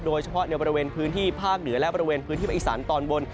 โดยเฉพาะในบริเวณพื้นที่ภาคเหนือและบริเวณพื้นที่ภาคอีสานตอนบน